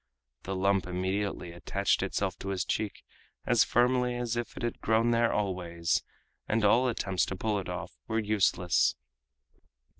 The lump immediately attached itself to his cheek as firmly as if it had grown there always, and all attempts to pull it off were useless.